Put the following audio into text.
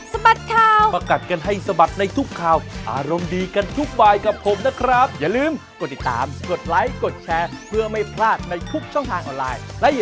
สวัสดีครับสวัสดีค่ะ